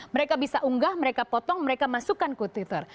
mereka bisa unggah mereka potong mereka masukkan ke twitter